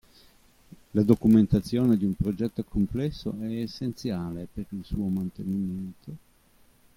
La documentazione di un progetto complesso è essenziale per il suo mantenimento.